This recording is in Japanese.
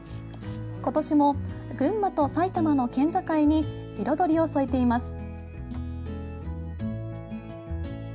今年も、群馬と埼玉の県境に彩りを添えています。